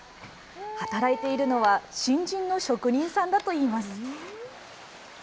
働いているのは、新人の職人さんだといいます。